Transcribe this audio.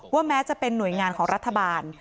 แม้จะเป็นหน่วยงานของรัฐบาล